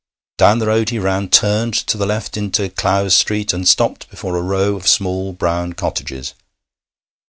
Down the road he ran, turned to the left into Clowes Street, and stopped before a row of small brown cottages.